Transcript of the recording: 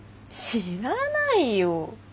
知らないよ。